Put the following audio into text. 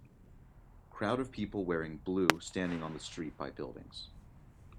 Crowd of people wearing blue standing on the street by buildings.